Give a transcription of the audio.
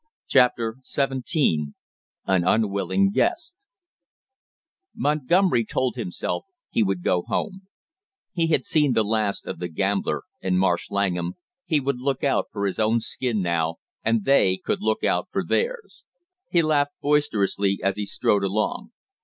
CHAPTER SEVENTEEN AN UNWILLING GUEST Montgomery told himself he would go home; he had seen the last of the gambler and Marsh Langham, he would look out for his own skin now and they could look out for theirs. He laughed boisterously as he strode along.